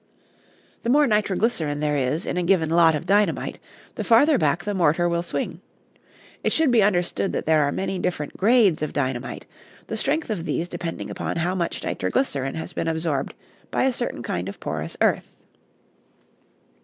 The more nitroglycerin there is in a given lot of dynamite, the farther back the mortar will swing. It should be understood that there are many different grades of dynamite, the strength of these depending upon how much nitroglycerin has been absorbed by a certain kind of porous earth.